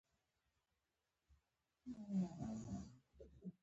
پرې شوي سرونه یې پر سره اوسپنه کېښودل.